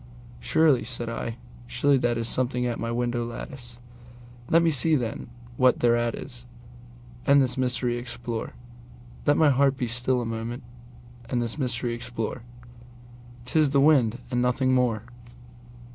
"Surely," said I, "surely that is something at my window lattice; Let me see, then, what thereat is, and this mystery explore; Let my heart be still a moment and this mystery explore:'T is the wind and nothing more."